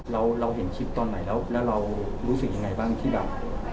เราเห็นคลิปตอนไหนแล้วเรารู้สึกยังไงบ้างที่แบบ